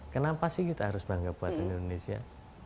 kenapa sih kita harus bangga buat indonesia